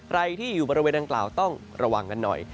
ใครที่อยู่บริเวณดังกล่าวต้องระวังกันหน่อย